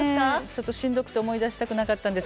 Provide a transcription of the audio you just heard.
ちょっとしんどくて思い出したくなかったんです。